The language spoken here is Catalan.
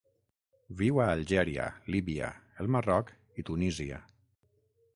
Viu a Algèria, Líbia, el Marroc i Tunísia.